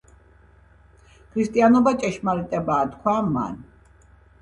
“ქრისტიანობა ჭეშმარიტებაა” თქვა მან